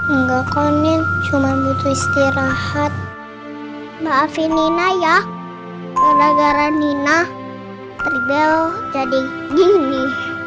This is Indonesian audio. enggak konin cuma butuh istirahat maafin nina ya udah gara nina peribau jadi gini